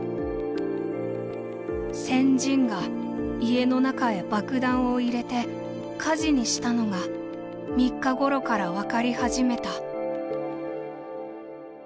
「鮮人が家の中へばくだんを入て火事にしたのが三日ごろから分かり始めた」。